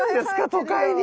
都会に。